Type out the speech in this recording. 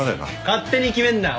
勝手に決めんな。